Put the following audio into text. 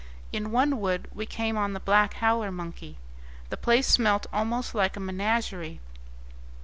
In one wood we came on the black howler monkey. The place smelt almost like a menagerie.